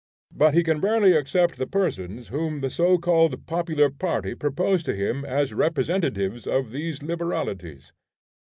But he can rarely accept the persons whom the so called popular party propose to him as representatives of these liberalities.